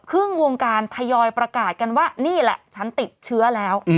วงการทยอยประกาศกันว่านี่แหละฉันติดเชื้อแล้ว